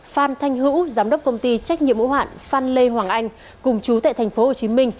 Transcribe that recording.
phan thanh hữu giám đốc công ty trách nhiệm hữu hạn phan lê hoàng anh cùng chú tại tp hcm